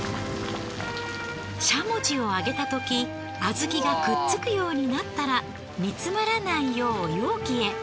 しゃもじを上げたとき小豆がくっつくようになったら煮詰まらないよう容器へ。